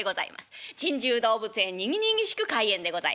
珍獣動物園にぎにぎしく開園でございまして。